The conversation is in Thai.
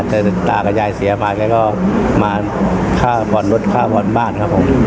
แต่ตากับยายเสียมาแกก็มาค่าผ่อนรถค่าผ่อนบ้านครับผม